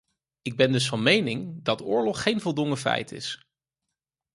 Ik ben dus van mening dat oorlog geen voldongen feit is.